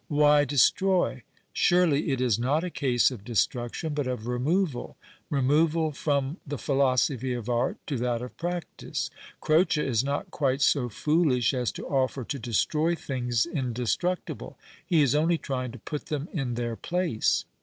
Why " destroy "? Surely it is not a case of destruction but of removal ; removal from the philosophy of art to that of practice. Croce is not (piite so foolish as to offer to destroy things indestructible ; he is only trying to put them in their place.